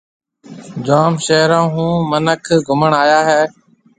جوم شهرون هون مِنک گُهمڻ آيا هيَ۔